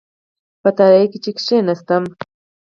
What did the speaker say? په الوتکه کې چې کېناستم.